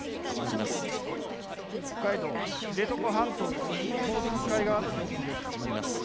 北海道知床半島オホーツク海側の上空です。